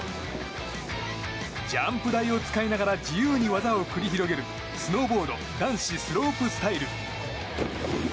ジャンプ台を使いながら自由に技を繰り広げるスノーボード男子スロープスタイル。